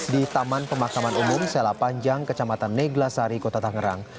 di taman pemakaman umum selapanjang kecamatan neglasari kota tangerang